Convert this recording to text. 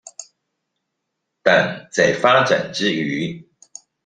但在發展之餘